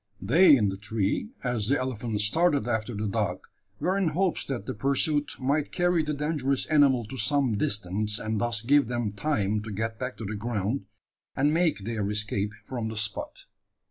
They in the tree, as the elephant started after the dog, were in hopes that the pursuit might carry the dangerous animal to some distance, and thus give them time to get back to the ground, and make their escape from the spot.